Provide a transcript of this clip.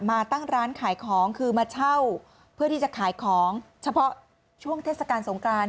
มาตั้งร้านขายของคือมาเช่าเพื่อที่จะขายของเฉพาะช่วงเทศกาลสงกราน